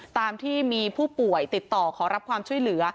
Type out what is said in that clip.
ตามที่มีผู้ป่วยติดต่อขอรับความช่วยเหลือ